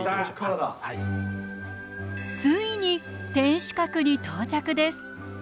ついに天守閣に到着です。